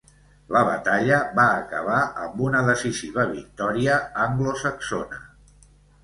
La batalla va acabar amb una decisiva victòria anglosaxona.